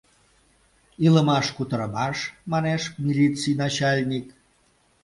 Илымаш-кутырымаш! — манеш милиций начальник.